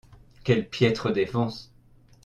Quelle piètre défense !